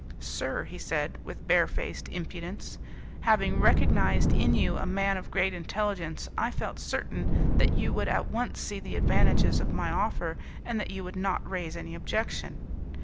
"Sir" he said, with barefaced impudence, "having recognised in you a man of great intelligence, I felt certain that you would at once see the advantages of my offer, and that you would not raise any objection."